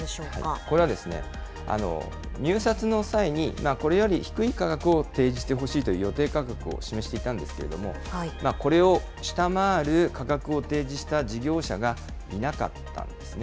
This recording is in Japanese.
これはですね、入札の際に、これより低い価格を提示してほしいという予定価格を示していたんですけれども、これを下回る価格を提示した事業者がいなかったんですね。